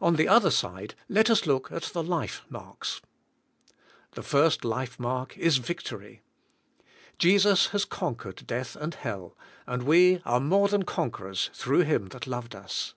On the other side, let us look at the life marks. The first life mark is victory. Jesus has con quered death and hell, and we are more than con querors throug h Him that loved us.